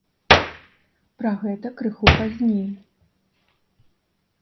Пра гэта крыху пазней.